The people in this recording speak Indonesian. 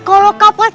kalau kapal aja